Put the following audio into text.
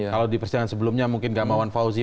kalau di persidangan sebelumnya mungkin gamawan fauzi